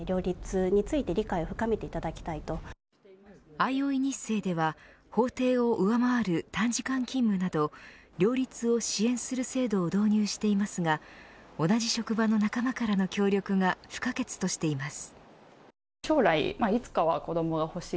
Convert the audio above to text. あいおいニッセイでは法定を上回る短時間勤務など両立を支援する制度を導入していますが同じ職場の仲間からの協力が不可欠としています。